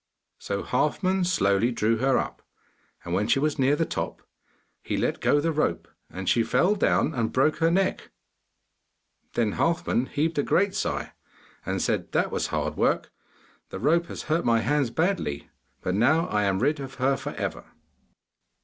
So Halfman slowly drew her up, and when she was near the top he let go the rope, and she fell down and broke her neck. Then Halfman heaved a great sigh and said, 'That was hard work; the rope has hurt my hands badly, but now I am rid of her for ever.